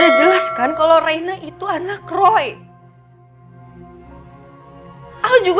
udah jelas delivering